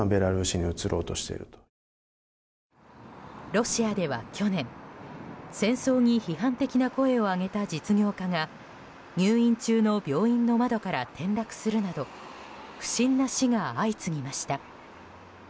ロシアでは去年、戦争に批判的な声を上げた実業家が入院中の病院の窓から転落するなど不審な死が相次ぎました。